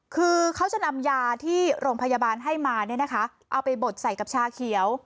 คือเขาจะนำยาที่โรงพยาบาลให้มาเนี่ยนะคะเอาไปบดใส่กับชาเขียว